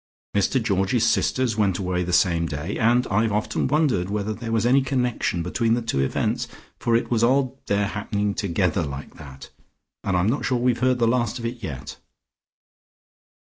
Mr Georgie's sisters went away the same day, and I've often wondered whether there was any connection between the two events, for it was odd their happening together like that, and I'm not sure we've heard the last of it yet."